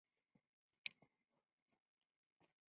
Se estima su última erupción ocurrió a fines del Mioceno.